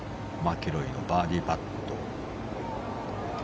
マキロイのバーディーパット。